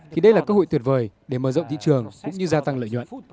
thì đây là cơ hội tuyệt vời để mở rộng thị trường cũng như gia tăng lợi nhuận